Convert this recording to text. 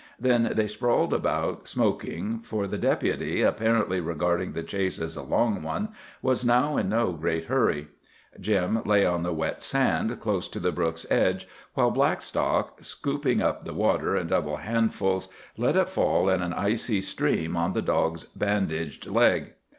Then they sprawled about, smoking, for the Deputy, apparently regarding the chase as a long one, was now in no great hurry. Jim lay on the wet sand, close to the brook's edge, while Blackstock, scooping up the water in double handfuls, let it fall in an icy stream on the dog's bandaged leg.